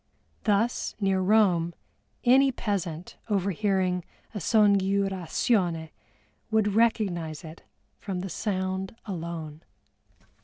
Thus near Rome any peasant overhearing a scongiurasione would recognize it from the sound alone.